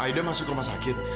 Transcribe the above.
aida masuk rumah sakit